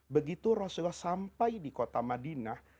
begitu rasulullah sampai di kota madinah